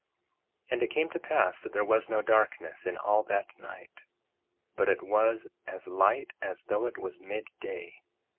1:19 And it came to pass that there was no darkness in all that night, but it was as light as though it was mid day.